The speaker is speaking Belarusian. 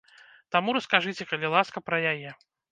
Таму раскажыце, калі ласка, пра яе.